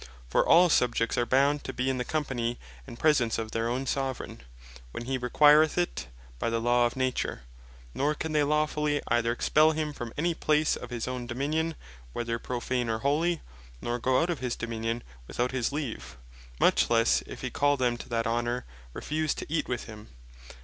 For all Subjects are bound to be in the company and presence of their own Soveraign (when he requireth it) by the law of Nature; nor can they lawfully either expell him from any place of his own Dominion, whether profane or holy; nor go out of his Dominion, without his leave; much lesse (if he call them to that honour,) refuse to eat with him.